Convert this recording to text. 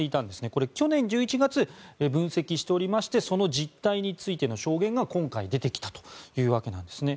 これ、去年１１月に分析しておりましてその実態についての証言が今回出てきたというわけですね。